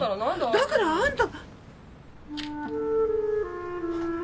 だからあんた！